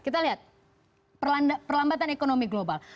kita lihat perlambatan ekonomi global